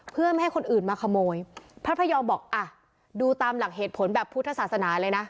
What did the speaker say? เพื่อไม่ให้คนอื่นมาขโมยพระพยอมบอกอ่ะดูตามหลักเหตุผลแบบพุทธศาสนาเลยนะ